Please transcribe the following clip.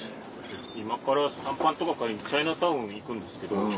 今から短パンとか買いにチャイナタウン行くんですけど。